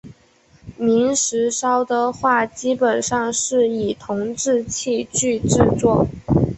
明石烧的话基本上是以铜制器具制作。